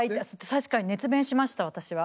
確かに熱弁しました私は。